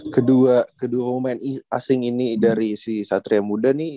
kedua pemain asing ini dari si satria muda nih